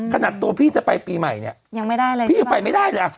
ขนาดตัวพี่จะไปปีใหม่เนี่ยหรือว่าไปไม่ได้